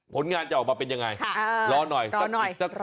ผลงานจะออกมาเป็นยังไงรอหน่อยรอหน่อย